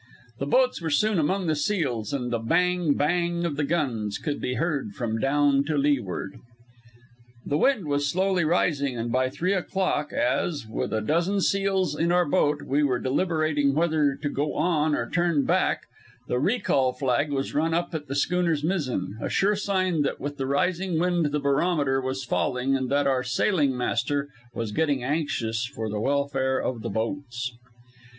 The boats were soon among the seals, and the bang! bang! of the guns could be heard from down to leeward. The wind was slowly rising, and by three o'clock as, with a dozen seals in our boat, we were deliberating whether to go on or turn back, the recall flag was run up at the schooner's mizzen a sure sign that with the rising wind the barometer was falling and that our sailing master was getting anxious for the welfare of the boats.